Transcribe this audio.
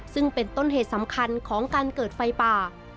ซึ่งเป็นต้นเหตุสำคัญของการเกิดไฟป่า